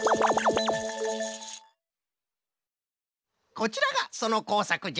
こちらがそのこうさくじゃ。